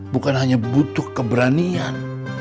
bukan hanya butuh keberanian